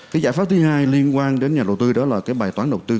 cái giải pháp thứ hai liên quan đến nhà đầu tư đó là cái bài toán đầu tư